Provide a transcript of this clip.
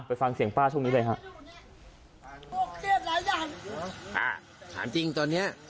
ไปฟังเสียงป้าช่วงนี้เลยฮะพวกเครียดแล้วยังอ่าถามจริงตอนเนี้ย